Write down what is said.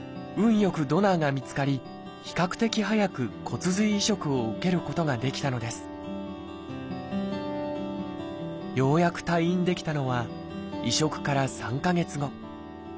良くドナーが見つかり比較的早く骨髄移植を受けることができたのですようやく退院できたのは移植から３か月後。